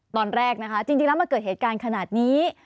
ตอนแรกนะคะจริงแล้วมันเกิดเหตุการณ์ขนาดนี้